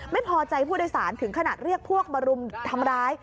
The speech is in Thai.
ไม่พอใจผู้โดยสารถึงขนาดเรียกพวกมารุมทำร้าย